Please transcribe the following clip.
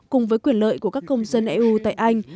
cùng với quyền lợi của các công dân eu tại anh